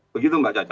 begitu mbak caca